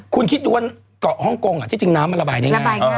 คุณคิดดูว่าเกาะฮ่องกงที่จริงน้ำมันระบายได้ง่าย